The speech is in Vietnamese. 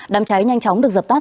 đám cháy nhanh chóng được dập tắt